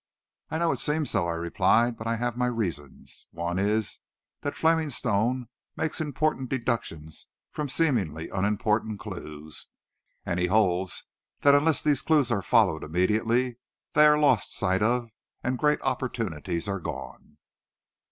"I know it seems so," I replied, "but I have my reasons. One is, that Fleming Stone makes important deductions from seemingly unimportant clues; and he holds that unless these clues are followed immediately, they are lost sight of and great opportunities are gone."